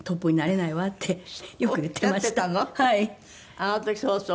あの時そうそう。